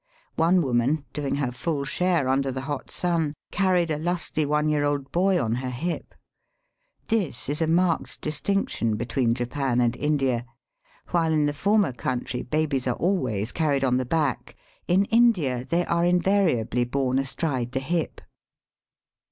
One woman, doing her full share under the hot sun, carried a lusty one year old boy on her hip. This is a Digitized by VjOOQIC 326 EAST BY WEST. marked distinction between Japan and India. While in the former country babies are always carried on the back, in India they are invari ably borne astride the hip.